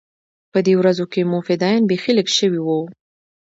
په دې ورځو کښې مو فدايان بيخي لږ سوي وو.